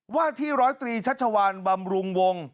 ว่าที่ร้อยตรีชัชวานบำรุงวง